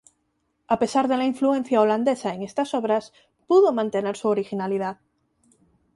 A pesar de la influencia holandesa en estas obras, pudo mantener su originalidad.